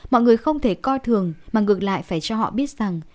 mọi người không thể coi thường mà ngược lại phải cho họ biết rằng